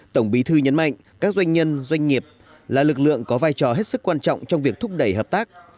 tổng bí thư nhấn mạnh các doanh nhân doanh nghiệp là lực lượng có vai trò hết sức quan trọng trong việc thúc đẩy hợp tác